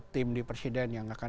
tim di presiden yang akan